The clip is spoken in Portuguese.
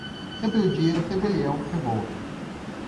Rebeldia, rebelião, revolta